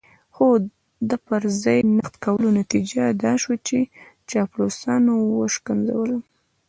خو د پر ځای نقد کولو نتيجه دا شوه چې چاپلوسانو وشکنځلم.